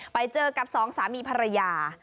ไปเจอกับสองสามีภรรยา